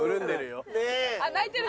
あっ泣いてる。